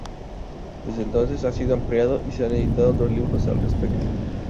Desde entonces ha sido ampliado, y se han editado otros libros al respecto.